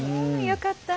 よかった。